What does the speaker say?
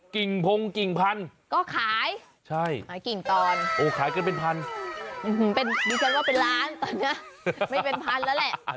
กิ่งพงกิ่งพันธุ์ก็ขายใช่ขายกิ่งตอนโอ้ขายกันเป็นพันดิฉันว่าเป็นล้านตอนนี้ไม่เป็นพันแล้วแหละ